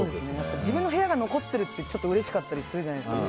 自分の部屋が残ってるってちょっと嬉しかったりするじゃないですか。